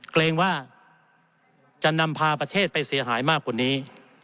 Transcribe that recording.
เกรงว่าจะนำพาประเทศไปเสียหายมากกว่านี้